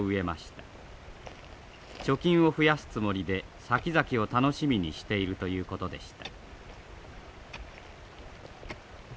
貯金を増やすつもりでさきざきを楽しみにしているということでした。